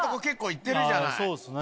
あそうですね。